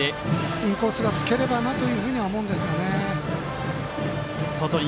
インコースがつければなというふうには思うんですがね。